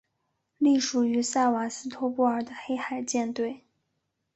隶属于塞瓦斯托波尔的黑海舰队。